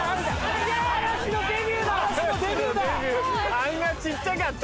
あんな小っちゃかった？